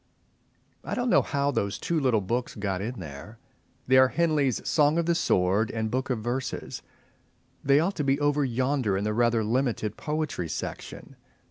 X. I don't know how those two little books got in there. They are Henley's "Song of the Sword" and "Book of Verses." They ought to be over yonder in the rather limited Poetry Section.